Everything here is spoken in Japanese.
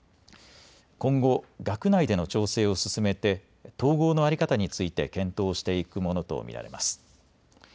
今後、学内での調整を進めて統合の在り方について検討していくものと見られます。